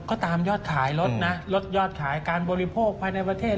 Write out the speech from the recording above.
ก็ตามยอดขายลดนะลดยอดขายการบริโภคภายในประเทศ